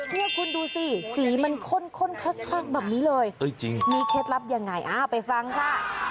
นี่คุณดูสิสีมันข้นคลักแบบนี้เลยมีเคล็ดลับยังไงไปฟังค่ะ